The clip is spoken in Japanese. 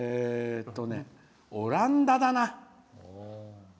オランダだな。